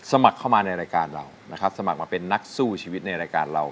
สมัครเข้ามาในรายการเรานะครับสมัครมาเป็นนักสู้ชีวิตในรายการเรา